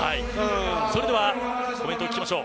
それではコメントを聞きましょう。